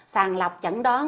sàn lọc chẩn đoán